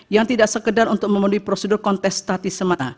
yang tidak sekedar untuk memenuhi prosedur kontest statis sama